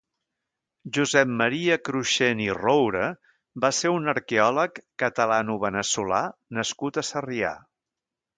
Josep María Cruxent i Roura va ser un arqueòleg catalano-veneçolà nascut a Sarrià.